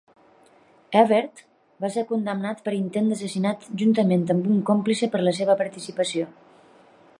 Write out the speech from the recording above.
Ewert va ser condemnat per intent d'assassinat juntament amb un còmplice per la seva participació.